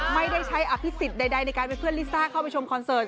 ไม่ได้ใช้อภิษฎใดในการเป็นเพื่อนลิซ่าเข้าไปชมคอนเสิร์ต